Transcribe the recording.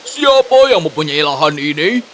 siapa yang mempunyai lahan ini